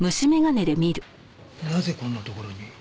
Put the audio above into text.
なぜこんなところに？